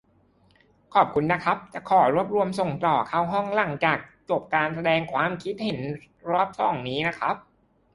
ขอบคุณนะครับ จะขอรวบรวมส่งต่อเข้าห้องหลังจบการแสดงความคิดเห็นรอบสองนี้นะครับ